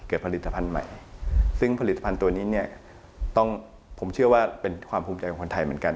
ผลิตภัณฑ์ใหม่ซึ่งผลิตภัณฑ์ตัวนี้เนี่ยต้องผมเชื่อว่าเป็นความภูมิใจของคนไทยเหมือนกัน